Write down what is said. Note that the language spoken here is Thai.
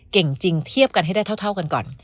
เก่งจริงเทียบกันให้ได้เท่ากันก่อน